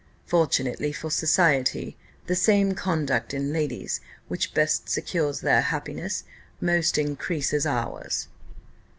Fortunately for society, the same conduct in ladies which best secures their happiness most increases ours."